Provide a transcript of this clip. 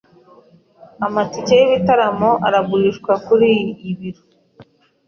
Amatike y'ibitaramo aragurishwa kuriyi biro.